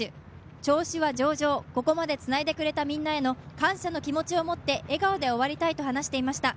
調子は上々、ここまでつないでくれたみんなへの感謝の気持ちを持って笑顔で終わりたいと話していました。